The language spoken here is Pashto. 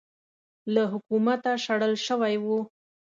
له حکومته شړل شوی و